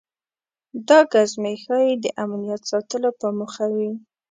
دا ګزمې ښایي د امنیت ساتلو په موخه وي.